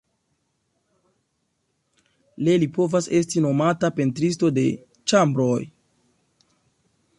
Ie li povas esti nomata pentristo de ĉambroj.